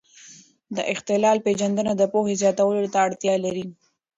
د اختلال پېژندنه د پوهې زیاتولو ته اړتیا لري.